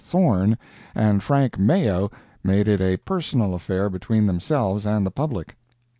Thorne and Frank Mayo made it a personal affair between themselves and the public.